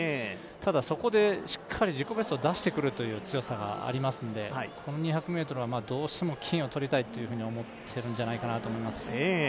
ただ、そこでしっかり自己ベストを出してくるという強さがありますのでこの２００ｍは、どうしても金を取りたいと思ってるんじゃないかと思います。